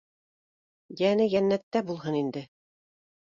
— Йәне йәннәттә булһын, инде!